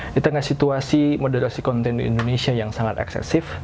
di tengah situasi moderasi konten di indonesia yang sangat eksesif